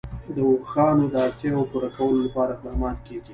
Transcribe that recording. د اوښانو د اړتیاوو پوره کولو لپاره اقدامات کېږي.